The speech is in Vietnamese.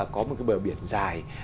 có một cái bờ biển dài